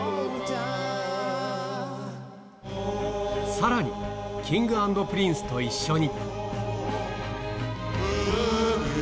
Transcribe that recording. さらに、Ｋｉｎｇ＆Ｐｒｉｎｃｅと一緒に。